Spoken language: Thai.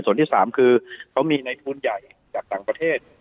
ส่วนที่๓คือเขามีในทุนใหญ่จากต่างประเทศ